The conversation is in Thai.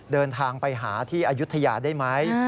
เดินทางไปหาที่อายุทยาได้ไหม